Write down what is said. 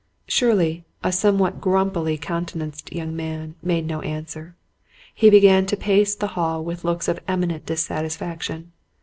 Shirley, a somewhat grumpy countenanced young man, made no answer. He began to pace the hall with looks of eminent dissatisfaction.